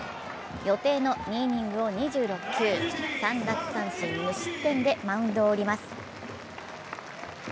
予定の２イニングを２６球、３奪三振・無失点でマウンドをおります。